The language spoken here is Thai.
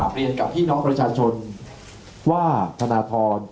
และการแสดงสมบัติของแคนดิเดตนายกนะครับ